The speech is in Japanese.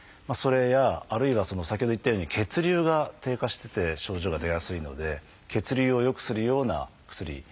それやあるいは先ほど言ったように血流が低下してて症状が出やすいので血流を良くするような薬